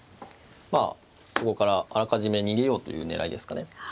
まあそこからあらかじめ逃げようという狙いですかね。